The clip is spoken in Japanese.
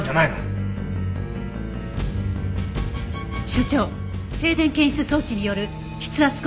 所長静電検出装置による筆圧痕鑑定